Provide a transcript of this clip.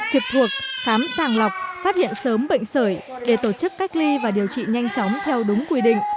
trực thuộc khám sàng lọc phát hiện sớm bệnh sởi để tổ chức cách ly và điều trị nhanh chóng theo đúng quy định